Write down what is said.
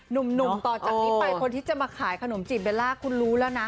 หนุ่มต่อจากนี้ไปคนที่จะมาขายขนมจีบเบลล่าคุณรู้แล้วนะ